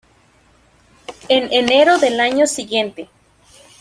En enero del año siguiente.